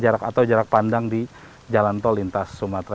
jarak atau jarak pandang di jalan tol lintas sumatera